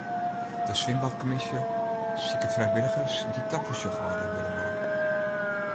De swimbadkommisje siket frijwilligers dy't tafersjochhâlder wurde wolle.